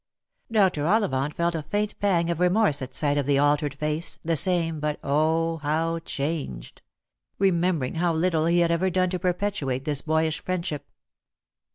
3)r. Ollivant felt a faint pang of remorse at sight of the altered face — the same, but O, how changed! — remembering how little he had ever done to perpetuate this boyish friendship.